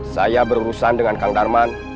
saya berurusan dengan kang darman